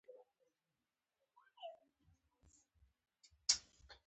زه غواړم چې د حقوقو په پوهنځي کې زده کړه وکړم